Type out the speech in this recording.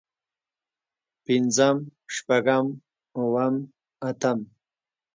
پنځم شپږم اووم اتم